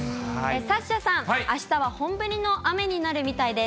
サッシャさん、あしたは本降りの雨になるみたいです。